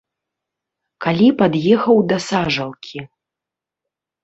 Калі пад'ехаў да сажалкі.